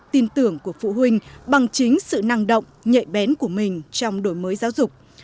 tin tưởng của phụ huynh bằng chính sự năng động nhạy bén của mình trong đổi mới giáo dục